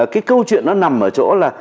cái câu chuyện nó nằm ở chỗ là